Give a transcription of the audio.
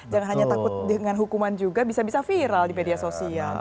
jangan hanya takut dengan hukuman juga bisa bisa viral di media sosial